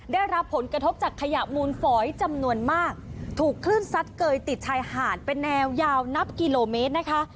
ได้รับผลกระทบจากขยะมูลฝอยจำนวนมากถูกคลื่นซัดเกยติดชายหาดเป็นแนวยาวนับกิโลเมตรนะคะ